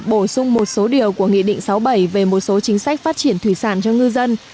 bổ sung một số điều của nghị định sáu bảy về một số chính sách phát triển thủy sản cho ngư dân